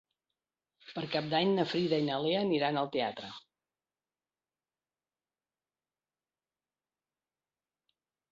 Per Cap d'Any na Frida i na Lea aniran al teatre.